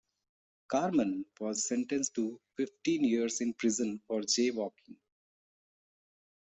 Carmen was sentenced to fifteen years in prison for jaywalking.